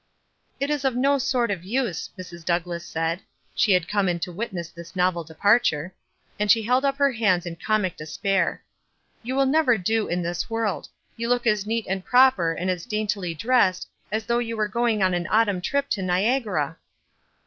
"It is of no sort of use," Mrs. Douglass said, (she had come in to witness this novel depart ure) and she held up her hands in comic despair. "You will never do in this world; you look as neat and proper, and as daintily dressed, as though you were going on an autumn trip to Niagara."